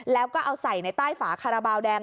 แล้วก็เอาใส่ในใต้ฝาคาราบาลแดง